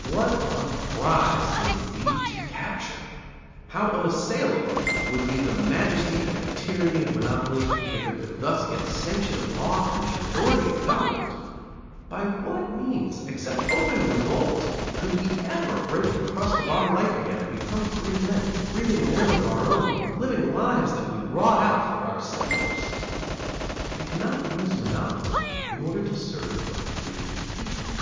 What a prize it would be to capture! How unassailable would be the majesty and the tyranny of monopoly if it could thus get sanction of law and the authority of government! By what means, except open revolt, could we ever break the crust of our life again and become free men, breathing an air of our own, living lives that we wrought out for ourselves? You cannot use monopoly in order to serve a free people.